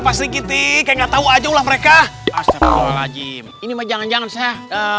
pasti gitu kayak nggak tahu aja ulah mereka asap lajim ini mah jangan jangan saya